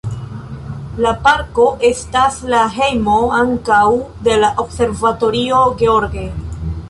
La parko estas la hejmo ankaŭ de la Observatorio George.